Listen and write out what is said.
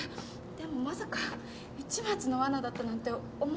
でもまさか市松のわなだったなんて思わなくて。